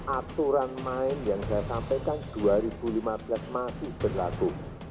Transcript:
aturan main yang saya sampaikan dua ribu lima belas masih berlaku